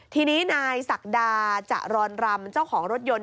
ทีนี้นายศักดาจะรอนรำเจ้าของรถยนต์